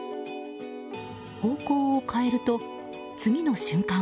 方向を変えると次の瞬間。